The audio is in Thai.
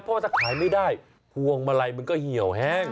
เพราะถ้าขายไม่ได้พวงมาลัยมันก็เหี่ยวแห้ง